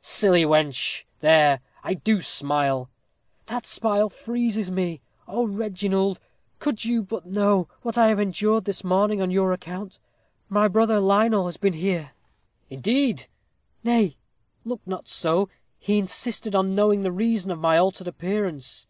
"Silly wench! There I do smile." "That smile freezes me. Oh, Reginald, could you but know what I have endured this morning, on your account. My brother Lionel has been here." "Indeed!" "Nay, look not so. He insisted on knowing the reason of my altered appearance."